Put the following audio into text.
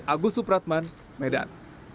agus supratman medan